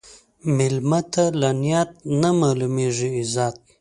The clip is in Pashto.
مېلمه ته له نیت نه معلومېږي عزت.